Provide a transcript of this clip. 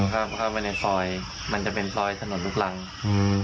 เข้าไปในซอยมันจะเป็นซอยถนนลูกรังอืม